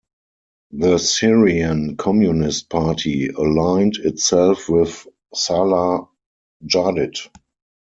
The Syrian communist party aligned itself with Salah Jadid.